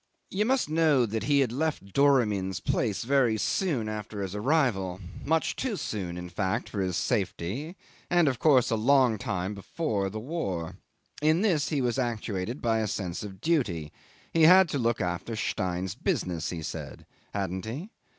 'You must know he had left Doramin's place very soon after his arrival much too soon, in fact, for his safety, and of course a long time before the war. In this he was actuated by a sense of duty; he had to look after Stein's business, he said. Hadn't he?